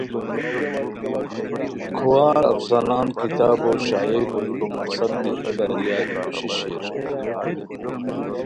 کھوار افسانان کتابو شائع کوریکو مقصد دی ہے باریہ ای کوشش شیر۔